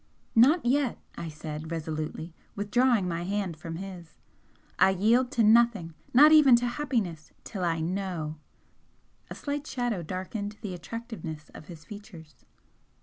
"Not yet!" I said, resolutely, withdrawing my hand from his "I yield to nothing not even to happiness till I KNOW!" A slight shadow darkened the attractiveness of his features.